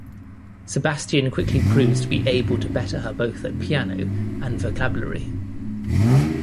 Sebastian quickly proves to be able to better her both at piano and vocabulary.